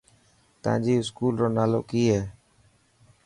تانجي اسڪوول رو نالو ڪي هي.